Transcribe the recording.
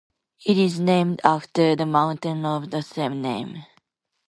It is named after the mountain of the same name.